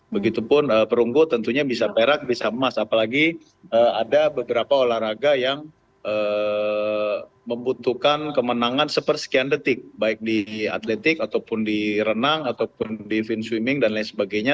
begitupun perunggu tentunya bisa perak bisa emas apalagi ada beberapa olahraga yang membutuhkan kemenangan sepersekian detik baik di atletik ataupun di renang ataupun di fin swimming dan lain sebagainya